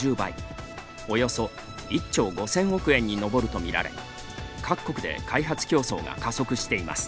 およそ１兆５０００億円に上ると見られ各国で開発競争が加速しています。